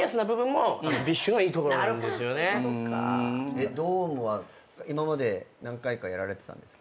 でドームは今まで何回かやられてたんですか？